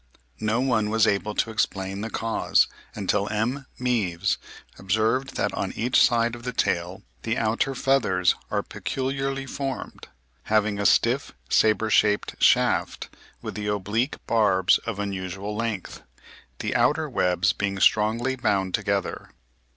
No one was able to explain the cause until M. Meves observed that on each side of the tail the outer feathers are peculiarly formed (Fig. 41), having a stiff sabre shaped shaft with the oblique barbs of unusual length, the outer webs being strongly bound together.